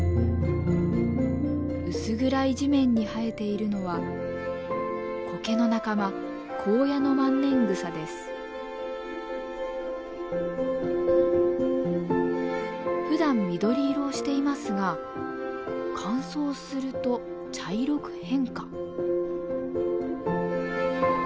薄暗い地面に生えているのはコケの仲間ふだん緑色をしていますが乾燥すると茶色く変化。